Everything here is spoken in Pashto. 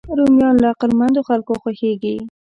رومیان له عقلمندو خلکو خوښېږي